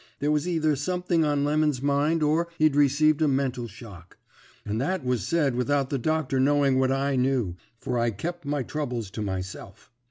There was either something on Lemon's mind or he'd received a mental shock. And that was said without the doctor knowing what I knew, for I'd kep my troubles to myself.